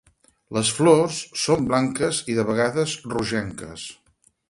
Les flors són blanques i de vegades rogenques.